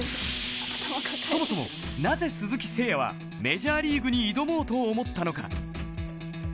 そもそもなぜ鈴木誠也はメジャーリーグに挑もうと思ったのか。